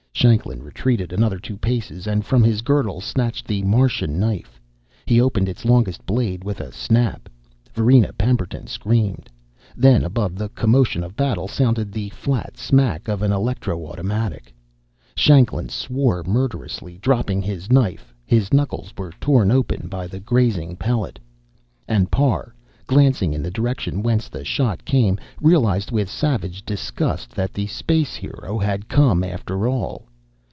Shanklin retreated another two paces, and from his girdle snatched the Martian knife. He opened its longest blade with a snap. Varina Pemberton screamed. Then, above the commotion of battle, sounded the flat smack of an electro automatic. Shanklin swore murderously, dropping his knife. His knuckles were torn open by the grazing pellet. And Parr, glancing in the direction whence the shot came, realized with savage disgust that the space hero had come after all.